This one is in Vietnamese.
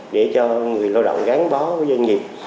để cho người lao động gắn bó với doanh nghiệp